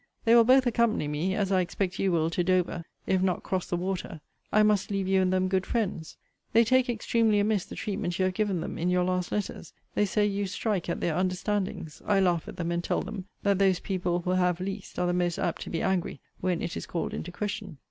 They will both accompany me (as I expect you will) to Dover, if not cross the water. I must leave you and them good friends. They take extremely amiss the treatment you have given them in your last letters. They say, you strike at their understandings. I laugh at them; and tell them, that those people who have least, are the most apt to be angry when it is called into question.